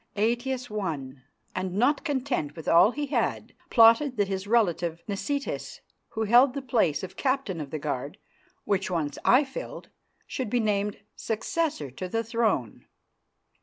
Aetius won, and, not content with all he had, plotted that his relative Nicetas, who held the place of Captain of the Guard, which once I filled, should be named successor to the throne.